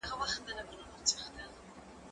زه پرون موبایل کارولی،